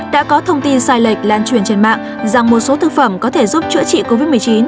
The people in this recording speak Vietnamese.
đã có thông tin sai lệch lan truyền trên mạng rằng một số thực phẩm có thể giúp chữa trị covid một mươi chín